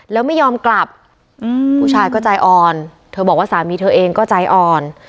แล้วไม่ยอมกลับผู้ชายก็ใจอ่อนเธอบอกว่าสามีเธอเองก็ใจอ่อน